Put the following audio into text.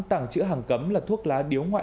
tảng chữ hàng cấm là thuốc lá điếu ngoại